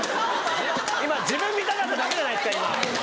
今自分見たかっただけじゃないですか？